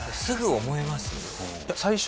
すぐ思えます？